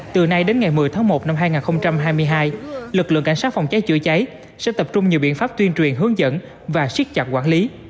từ nay đến ngày một mươi tháng một năm hai nghìn hai mươi hai lực lượng cảnh sát phòng cháy chữa cháy sẽ tập trung nhiều biện pháp tuyên truyền hướng dẫn và siết chặt quản lý